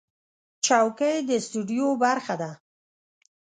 چوکۍ د سټوډیو برخه ده.